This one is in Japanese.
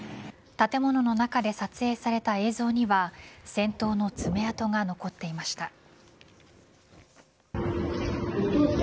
建物の中で撮影された映像には戦闘の爪痕が残っていました。